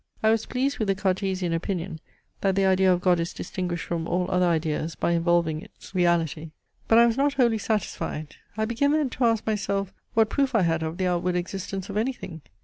I was pleased with the Cartesian opinion, that the idea of God is distinguished from all other ideas by involving its reality; but I was not wholly satisfied. I began then to ask myself, what proof I had of the outward existence of anything?